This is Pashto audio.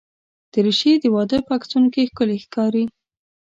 دریشي د واده په عکسونو کې ښکلي ښکاري.